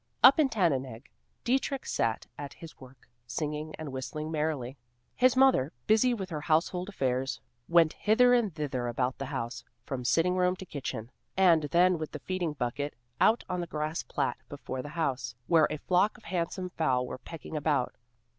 Up in Tannenegg, Dietrich sat at his work, singing and whistling merrily. His mother, busy with her household affairs went hither and thither about the house, from sitting room to kitchen, and then with the feeding bucket, out on the grass plat before the house, where a flock of handsome fowl were pecking about.